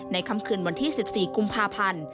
คำคืนวันที่๑๔กุมภาพันธ์